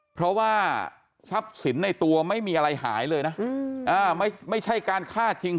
เพราะว่าทรัพย์สินในตัวไม่มีอะไรหายเลยนะไม่ใช่การฆ่าทิ้ง